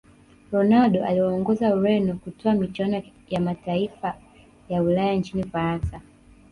ronaldo aliwaongoza Ureno kutwaa michuano ya mataifaya ulaya nchini Ufaransa